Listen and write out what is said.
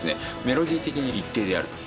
メロディ的に一定であると。